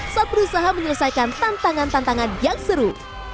saat berusaha menyelesaikan tantangan tantangan yang seru